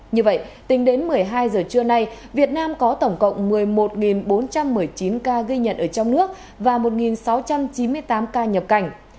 như vậy tính đến một mươi hai giờ trưa nay việt nam có tổng cộng một mươi một bốn trăm một mươi chín ca ghi nhận ở trong nước và một sáu trăm chín mươi tám ca nhập cảnh